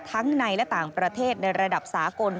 ทั้งในและต่างประเทศในระดับสากล